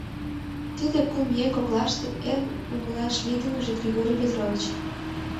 Тиде кум еҥ коклаште эн умылаш лийдымыже Григорий Петрович.